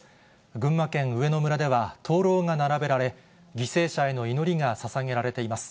群馬県上野村では灯籠が並べられ、犠牲者への祈りがささげられています。